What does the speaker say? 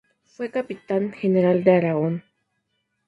Fue capitán general de Aragón.